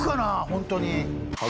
ホントに。